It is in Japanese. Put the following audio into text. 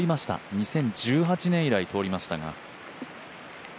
２０１８年以来、通りましたが。